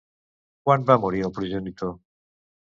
Quan va morir el progenitor?